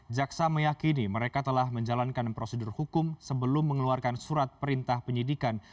jaksa meyakini mereka telah menjalankan prosedur hukum sebelum mengeluarkan surat perintah penyidikan